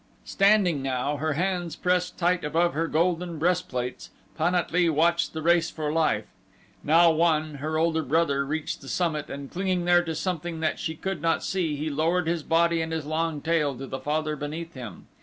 Standing now, her hands pressed tight above her golden breastplates, Pan at lee watched the race for life. Now one, her older brother, reached the summit and clinging there to something that she could not see he lowered his body and his long tail to the father beneath him.